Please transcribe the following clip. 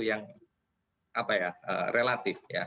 yang relatif ya